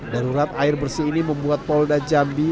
darurat air bersih ini membuat polda jambi